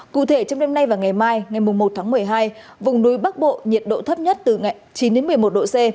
cụ thể trong đêm nay và ngày mai ngày một tháng một mươi hai vùng núi bắc bộ nhiệt độ thấp nhất từ chín đến một mươi một độ c